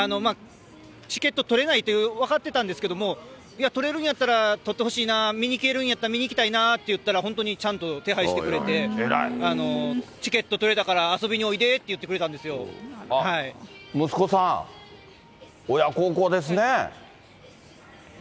チケット取れないと分かってたんですけど、いや、取れるんだったら取ってほしいな、見に行けるんやったら見に行きたいなって言ったら、本当にちゃんと手配してくれて、チケット取れたから遊びにおいでって言ってく息子さん、親孝行ですね。